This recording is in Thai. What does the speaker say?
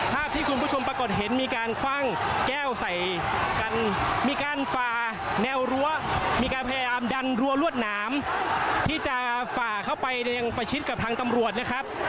ภาพที่คุณผู้ชมปรากฏเห็นมีการคว่างแก้วใส่กันมีการฝ่าแนวรั้วมีการพยายามดันรั้วรวดหนามที่จะฝ่าเข้าไปยังประชิดกับทางตำรวจนะครับ